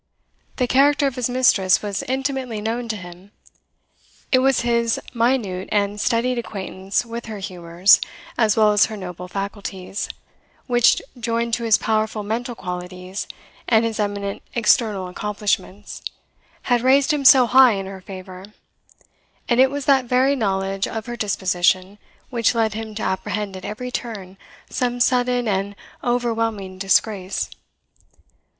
The character of his mistress was intimately known to him. It was his minute and studied acquaintance with her humours, as well as her noble faculties, which, joined to his powerful mental qualities, and his eminent external accomplishments, had raised him so high in her favour; and it was that very knowledge of her disposition which led him to apprehend at every turn some sudden and overwhelming disgrace.